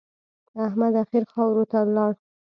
احمد اخير خاورو ته ولاړ.